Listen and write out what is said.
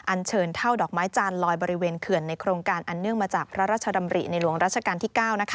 เชิญเท่าดอกไม้จานลอยบริเวณเขื่อนในโครงการอันเนื่องมาจากพระราชดำริในหลวงราชการที่๙